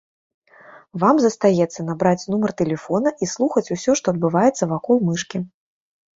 Вам застаецца набраць нумар тэлефона і слухаць усё, што адбываецца вакол мышкі.